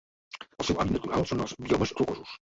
El seu hàbitat natural són els biomes rocosos.